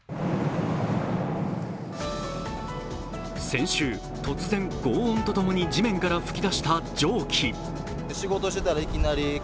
先週、突然、轟音と共に地面から噴き出した蒸気。